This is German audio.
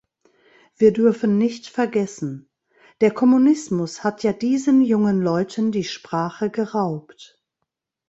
Wir dürfen nicht vergessen, der Kommunismus hat ja diesen jungen Leuten die Sprache geraubt.